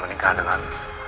karena kamu menikah dengan